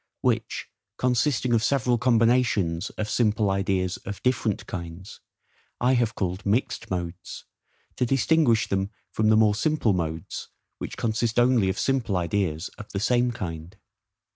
which consisting of several combinations of simple ideas of DIFFERENT kinds, I have called mixed modes, to distinguish them from the more simple modes, which consist only of simple ideas of the SAME kind.